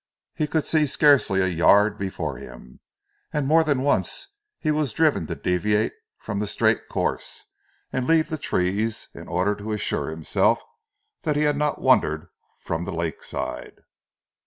He could see scarcely a yard before him, and more than once he was driven to deviate from the straight course, and leave the trees in order to assure himself that he had not wandered from the lake side.